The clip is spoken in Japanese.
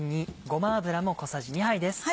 ごま油も小さじ２杯です。